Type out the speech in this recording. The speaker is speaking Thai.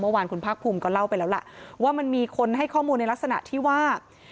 เมื่อวานคุณภาคภูมิก็เล่าไปแล้วล่ะว่ามันมีคนให้ข้อมูลในลักษณะที่ว่า